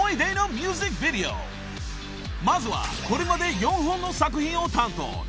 ［まずはこれまで４本の作品を担当。